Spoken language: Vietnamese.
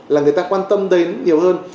là người ta quan tâm đến nhiều hơn